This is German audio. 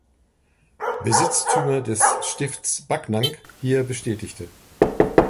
Besitztümer des Stifts Backnang hier bestätigte.